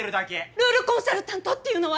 ルールコンサルタントっていうのは？